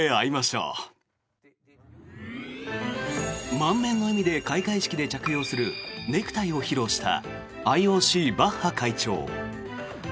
満面の笑みで開会式で着用するネクタイを披露したＩＯＣ、バッハ会長。